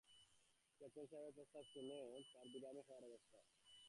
কিন্তু ক্যাপ্টেন সাহেবের প্রস্তাব শুনে তার ভিরমি খাওয়ার মতো অবস্থা হলো।